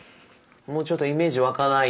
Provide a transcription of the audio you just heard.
もうちょっとイメージ湧かない。